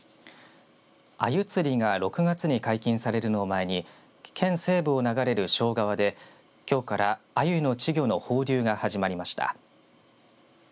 アユ釣りが６月に解禁されるのを前に県西部を流れる庄川できょうからアユの稚魚の放流が始まりました。